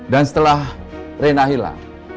dan setelah reina hilang